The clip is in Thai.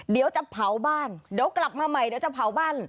เดี๋ยวจะเผาบ้านเดี๋ยวกลับมาใหม่เดี๋ยวจะเผาบ้าน